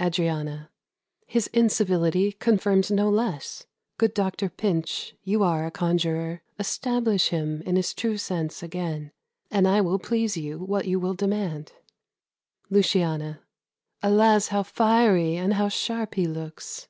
Adriana. His incivility confirms no less. Good doctor Pinch, you are a conjurer; Establish him in his true sense again, And I will please you what you will demand. Luciana. Alas! how fiery and how sharp he looks!